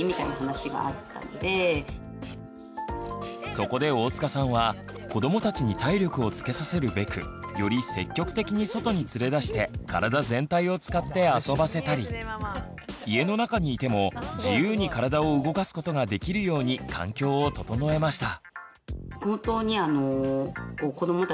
そこで大塚さんは子どもたちに体力をつけさせるべくより積極的に外に連れ出して体全体を使って遊ばせたり家の中にいても自由に体を動かすことができるように環境を整えました。